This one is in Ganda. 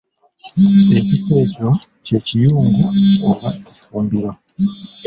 Ekifo ekyo kye Kiyungu oba effumbiro.